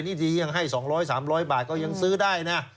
นี่ทียังให้๒๐๐๓๐๐บาทก็ยังซื้อได้นะ